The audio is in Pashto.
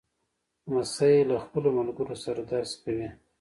لمسی له خپلو ملګرو سره درس کوي.